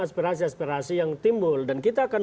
aspirasi aspirasi yang timbul dan kita akan